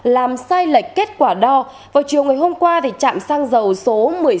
làm sai lệch kết quả đo vào chiều ngày hôm qua thì chạm sang dầu số một mươi sáu